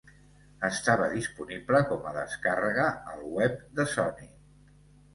Estava disponible com a descàrrega al web de Sony.